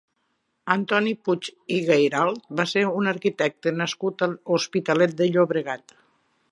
Antoni Puig i Gairalt va ser un arquitecte nascut a l'Hospitalet de Llobregat.